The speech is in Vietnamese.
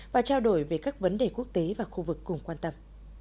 và trao đổi về các vấn đề quốc tế và khu vực cùng quan tâm